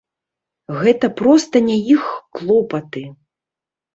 Гэта проста не іх клопаты.